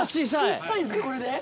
小っさいんですかこれで！